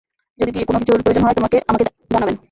যদি কোন কিছুর প্রয়োজন হয় আমাকে জানাবেন।